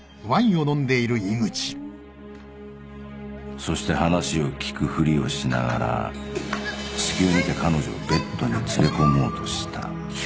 そして話を聞くふりをしながら隙を見て彼女をベッドに連れ込もうとした。